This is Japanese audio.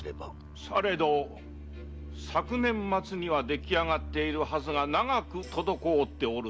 〔されど昨年末には出来あがっているはずが長く滞っておる。